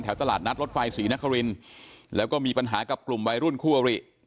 ตลาดนัดรถไฟศรีนครินแล้วก็มีปัญหากับกลุ่มวัยรุ่นคู่อริ